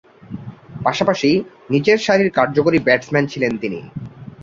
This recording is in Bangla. পাশাপাশি নিচেরসারির কার্যকরী ব্যাটসম্যান ছিলেন তিনি।